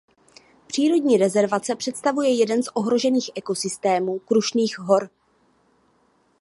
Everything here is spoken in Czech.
Přírodní rezervace představuje jeden z ohrožených ekosystémů Krušných hor.